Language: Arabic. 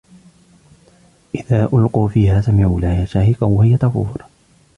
إذا ألقوا فيها سمعوا لها شهيقا وهي تفور